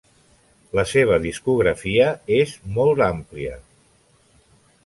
La seva discografia és molt àmplia.